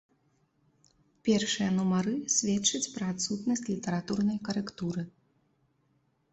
Першыя нумары сведчаць пра адсутнасць літаратурнай карэктуры.